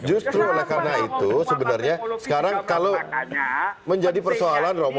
justru oleh karena itu sebenarnya sekarang kalau menjadi persoalan romo